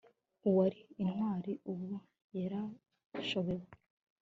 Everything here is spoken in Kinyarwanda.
uwari intwari ubu yarashobewe